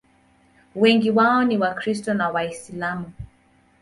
Wengi wao ni Wakristo na Waislamu.